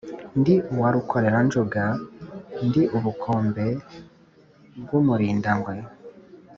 Ndi uwa Rukoreranjunga, ndi ubukombe bw’umurindangwe,